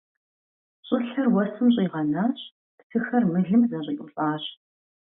ЩӀылъэр уэсым щӀигъэнащ, псыхэр мылым зэщӀиӀулӀащ.